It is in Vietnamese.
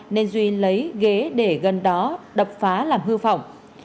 nên duy lấy ghế để gần đó đập phá làm hư hỏng